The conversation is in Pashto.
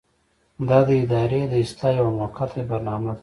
دا د ادارې د اصلاح یوه موقته برنامه ده.